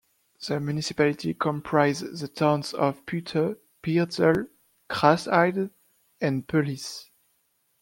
The municipality comprises the towns of Putte, Beerzel, Grasheide and Peulis.